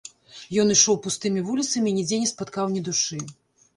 Ён ішоў пустымі вуліцамі і нідзе не спаткаў ні душы.